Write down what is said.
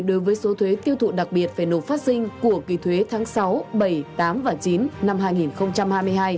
đối với số thuế tiêu thụ đặc biệt phải nộp phát sinh của kỳ thuế tháng sáu bảy tám và chín năm hai nghìn hai mươi hai